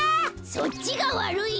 そっちがわるい！